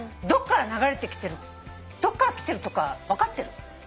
どっから流れてきてるどっから来てるとか分かってる？